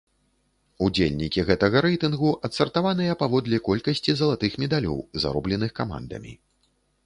Удзельнікі гэтага рэйтынгу адсартаваныя паводле колькасці залатых медалёў, заробленых камандамі.